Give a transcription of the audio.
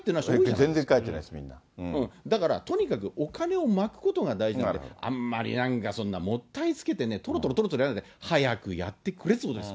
全然帰ってない、だから、とにかくお金をまくことが大事なので、あんまりなんかそんなもったいつけてね、とろとろとろとろやるんじゃなくて、早くやってくれってことですよ。